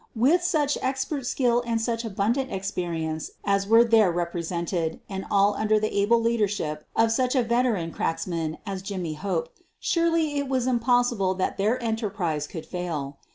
With such ex pert skill and such abundant experience as were there represented and all under the able leadership of such a veteran cracksman as Jimmy Hope, surely it was impossible that their enterprise could fail.